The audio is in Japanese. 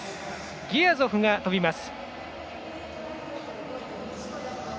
ギヤゾフが跳びます。